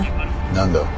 何だ？